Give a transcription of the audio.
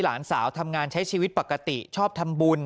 หลานสาวทำงานใช้ชีวิตปกติชอบทำบุญ